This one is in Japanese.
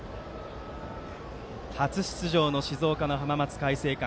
初出場、静岡の浜松開誠館。